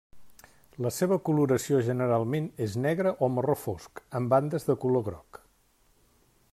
La seva coloració generalment és negra o marró fosc, amb bandes de color groc.